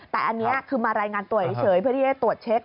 แต่อันนี้คือมารายงานตัวเฉยเพื่อที่จะตรวจเช็ค